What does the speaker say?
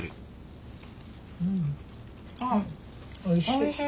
おいしい。